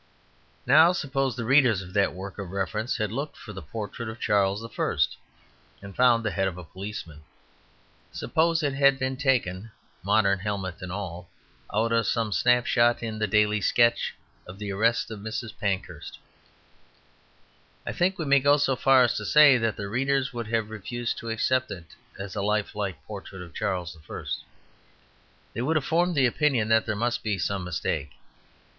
Now suppose the readers of that work of reference had looked for the portrait of Charles I. and found the head of a policeman. Suppose it had been taken, modern helmet and all, out of some snapshot in the Daily Sketch of the arrest of Mrs. Pankhurst. I think we may go so far as to say that the readers would have refused to accept it as a lifelike portrait of Charles I. They would have formed the opinion that there must be some mistake.